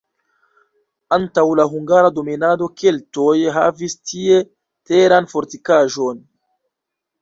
Antaŭ la hungara dominado keltoj havis tie teran fortikaĵon.